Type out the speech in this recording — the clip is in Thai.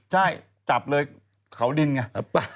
ใช่จับเลยเขาดินไง